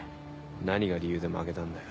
何が理由で負けたんだよ。